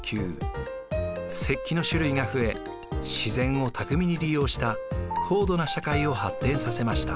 石器の種類が増え自然を巧みに利用した高度な社会を発展させました。